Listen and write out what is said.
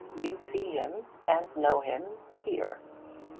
You see him and know him here.